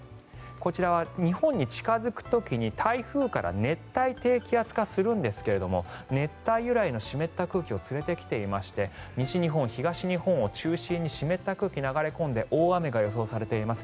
こちらは日本に近付く時に台風から熱帯低気圧化するんですが熱帯由来の湿った空気をつれてきていまして西日本、東日本を中心に湿った空気が流れ込んで大雨が予想されています。